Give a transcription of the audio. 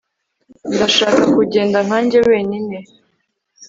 ndashaka kugenda nkanjye wenyine